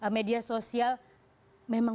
media sosial memang